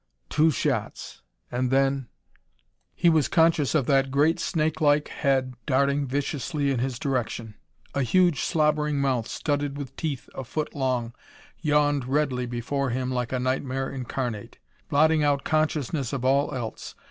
"Two shots and then " He was conscious of that great, snakelike head darting viciously in his direction. A huge, slobbering mouth, studded with teeth a foot long, yawned redly before him like a nightmare incarnate, blotting out consciousness of all else.